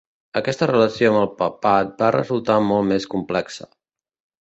Aquesta relació amb el papat va resultar ser més complexa.